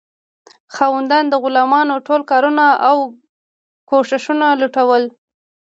خاوندانو د غلامانو ټول کارونه او کوښښونه لوټول.